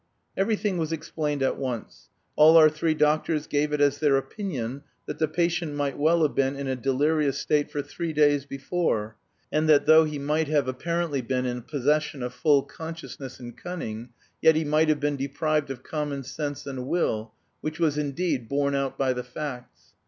Everything was explained at once. All our three doctors gave it as their opinion that the patient might well have been in a delirious state for three days before, and that though he might have apparently been in possession of full consciousness and cunning, yet he might have been deprived of common sense and will, which was indeed borne out by the facts.